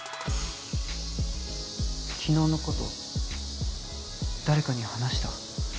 昨日のこと誰かに話した？